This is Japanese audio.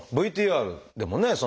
ＶＴＲでもね